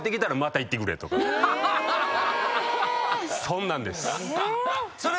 そんなんです。